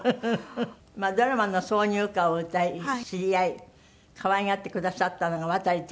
まあドラマの挿入歌を歌い知り合い可愛がってくださったのが渡哲也さん。